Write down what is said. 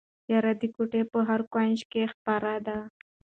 تیاره د کوټې په هر کونج کې خپره ده.